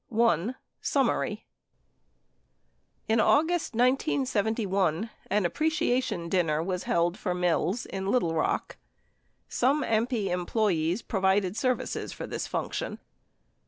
x. SUMMARY In August 1971, an appreciation dinner was held for Mills in Little Rock. Some AMPI employees provided services for this function.